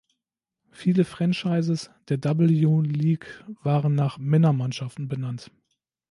Viele Franchises der W-League waren nach Männermannschaften benannt.